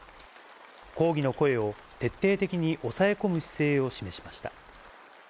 抗議の声を徹底的に抑え込む姿勢を示しました。